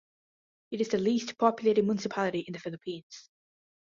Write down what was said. It is the least populated municipality in the Philippines.